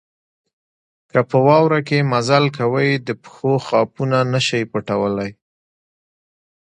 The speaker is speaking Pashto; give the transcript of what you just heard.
که په واوره کې مزل کوئ د پښو خاپونه نه شئ پټولای.